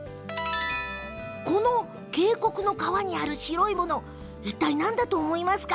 この渓谷の川にある白いもの、いったい何だと思いますか？